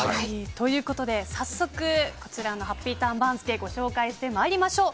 ということで早速、こちらのハッピーターン番付をご紹介してまいりましょう。